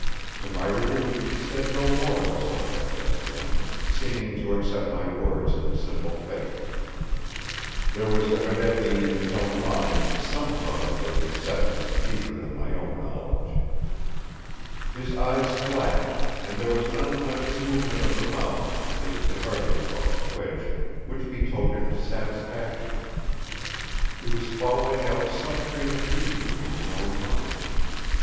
To my relief he said no more on the subject just then, seeming to accept my words in simple faith. There was evidently in his own mind some cause for the acceptance deeper than my own knowledge. His eyes flashed, and there was an unconscious movement of the mouth—it could hardly be called a twitch—which betokened satisfaction. He was following out some train of reasoning in his own mind.